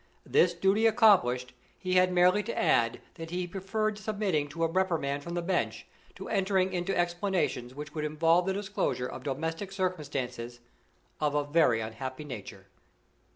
This duty accomplished, he had merely to add that he preferred submitting to a reprimand from the bench to entering into explanations which would involve the disclosure of domestic circumstances of a very unhappy nature.